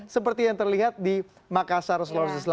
seperti yang terlihat di makassar seluruh seluruh seluruh indonesia